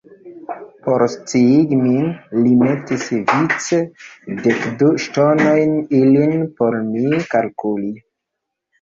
Por sciigi min, li metis vice dekdu ŝtonojn, ilin por mi kalkuli.